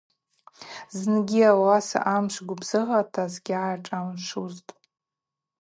Зынгьи ауаса амшв гвыбзыгъата сгьашӏамшвузтӏ.